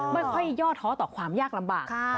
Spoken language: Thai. ไม่ค่อยย่อท้อต่อความยากลำบาก